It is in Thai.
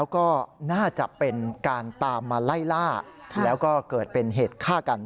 ก็น่าจะเป็นการตามมาไล่ล่าแล้วก็เกิดเป็นเหตุฆ่ากัน